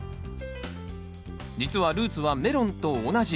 実はルーツはメロンと同じ。